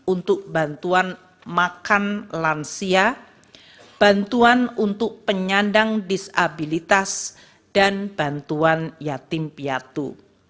untuk bantuan makan lansia bantuan untuk penyandang disabilitas dan bantuan yatim piatu